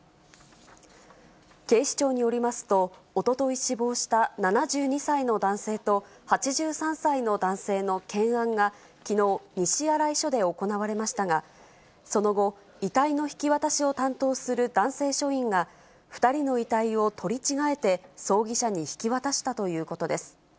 警視庁によりますと、おととい死亡した７２歳の男性と、８３歳の男性の検案がきのう、西新井署で行われましたが、その後、遺体の引き渡しを担当する男性署員が２人の遺体を取り違えて、葬儀社に引き渡したということです。